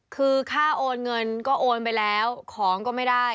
คือค่าโอนเงินก็โอนไปแล้วของก็ไม่ได้